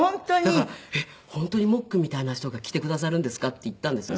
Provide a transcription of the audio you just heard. だから「えっ？本当にモックンみたいな人が来てくださるんですか？」って言ったんですよ。